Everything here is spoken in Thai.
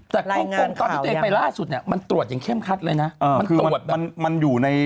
แต่ฮ่องกงตอนที่ตัวเองไปล่าสุดมันตรวจอย่างเข้มคัดเลยนะ